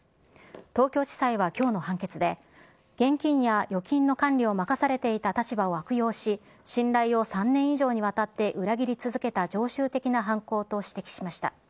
東京地裁はきょうの判決で、現金や預金の管理を任されていた立場を悪用し、信頼を３年以上にわたって裏切り続けた常習的な犯行と指摘しました。